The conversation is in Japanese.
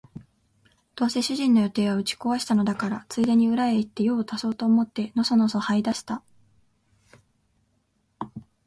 どうせ主人の予定は打ち壊したのだから、ついでに裏へ行って用を足そうと思ってのそのそ這い出した